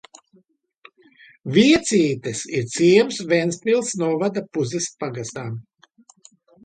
Viecītes ir ciems Ventspils novada Puzes pagastā.